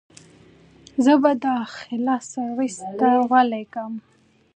زه به داخله سرويس ته وليکم.